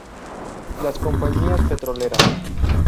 Las compañías petroleras.